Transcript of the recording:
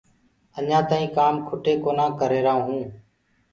اجآنٚ تآئيٚنٚ ڪآم کٽي ڪونآ ڪرريهرآئونٚ